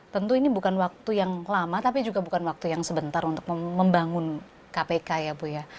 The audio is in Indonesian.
tentu ini bukan waktu yang lama tapi juga bukan waktu yang sebentar untuk membangun kpk ya bu ya